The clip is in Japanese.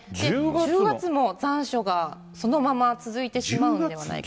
１０月も残暑がそのまま続いてしまうのではないかと。